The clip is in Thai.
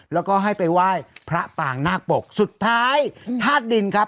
แล้วก็ให้ไปไหว้พระปางนาคปกสุดท้ายธาตุดินครับ